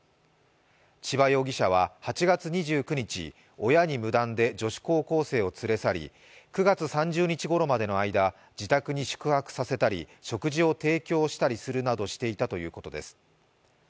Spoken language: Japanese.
千葉容疑者は８月２９日、親に無断で女子高校生を連れ去り、９月３０日ごろまでの間自宅に宿泊させたり食事を提供したりするなどしていたということです。